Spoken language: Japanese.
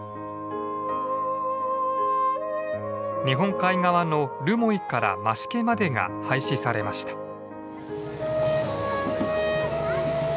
日本海側の留萌から増毛までが廃止されました。